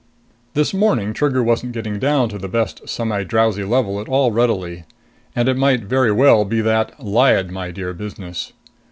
This morning Trigger wasn't getting down to the best semidrowsy level at all readily. And it might very well be that Lyad my dear business.